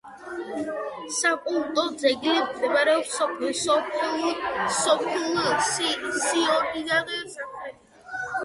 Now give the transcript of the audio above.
საკულტო ძეგლი მდებარეობს სოფლ სიონიდან სამხრეთით.